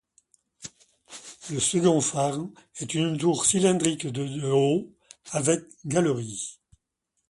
Le second phare est une tour cylindrique de de haut, avec galerie.